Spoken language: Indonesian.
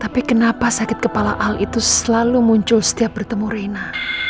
tapi kenapa sakit kepala al itu selalu muncul setiap bertemu reina